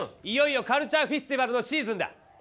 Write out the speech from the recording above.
いよいよカルチャーフェスティバルのシーズンだ！